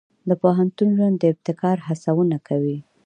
د پوهنتون ژوند د ابتکار هڅونه کوي.